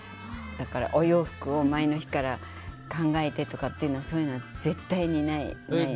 だから、お洋服を前の日から考えてとかそういうのは絶対にないですね。